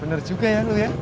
bener juga ya lo ya